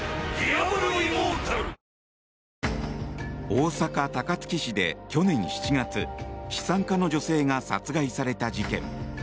大阪・高槻市で去年７月資産家の女性が殺害された事件。